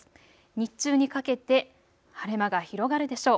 日中にかけて晴れ間が広がるでしょう。